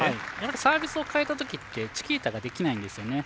サービスを変えた時ってチキータができないんですよね。